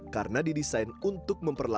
karena didesain untuk memperlahankan